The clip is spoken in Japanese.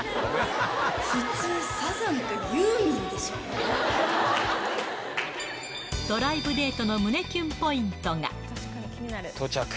普通、ドライブデートの胸キュンポ到着。